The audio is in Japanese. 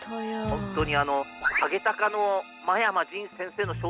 ホントに。